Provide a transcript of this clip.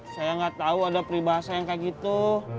saya nggak tahu ada peribahasa yang kayak gitu